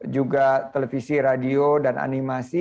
juga televisi radio dan animasi